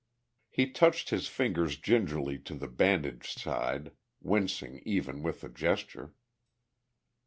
He touched his fingers gingerly to the bandaged side, wincing even with the gesture.